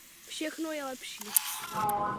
Všechno je lepší.